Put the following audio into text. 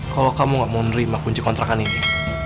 kalau kamu nggak mau nerima kunci kontra kan ini